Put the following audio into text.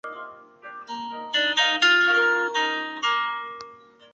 辛未年是乾隆十六年。